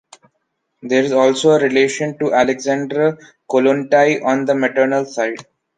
There is also a relation to Alexandra Kollontai on the maternal side.